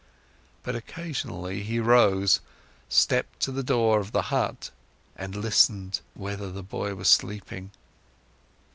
But occasionally, he rose, stepped to the door of the hut and listened, whether the boy was sleeping.